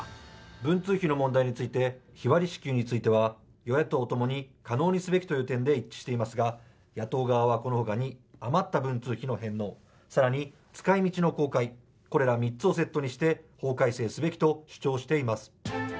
文通費の問題について、日割り支給については与野党ともに可能にすべきという意見で一致していますが、野党側はこのほかに余った文通費の返納、更に使い道の公開、これら３つをセットにして法改正すべきと主張しています。